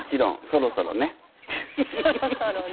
そろそろね。